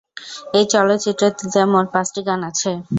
এই চলচ্চিত্রটিতে মোট পাঁচটি গান আছে।